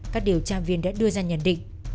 các điều tra viên đã đưa ra nhận định